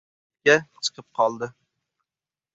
Chetga chiqib qoldi.